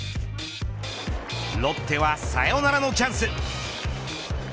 ロッテはサヨナラのチャンス。